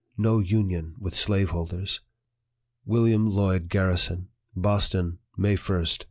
No UNION WITH SLAVEHOLDERS !" WM. LLOYD GARRISON. BOSTON, May 1, 1845.